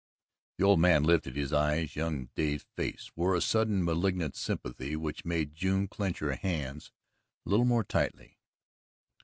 The old man lifted his eyes. Young Dave's face wore a sudden malignant sympathy which made June clench her hands a little more tightly.